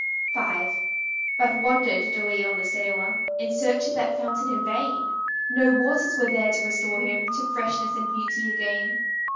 V But wandered De Leon, the sailor, In search of that fountain in vain; No waters were there to restore him To freshness and beauty again.